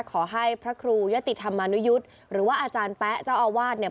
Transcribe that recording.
ขอให้พระครูยะติธรรมานุยุทธ์หรือว่าอาจารย์แป๊ะเจ้าอาวาสเนี่ย